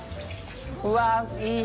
うわいい